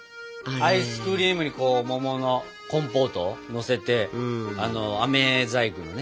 アイスクリームに桃のコンポートをのせてあめ細工のね。